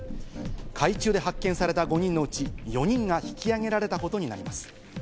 海中で発見された５人のうち４人が引き揚げられたことになります。